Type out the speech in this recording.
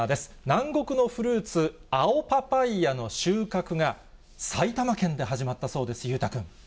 南国のフルーツ、青パパイヤの収穫が、埼玉県で始まったそうです。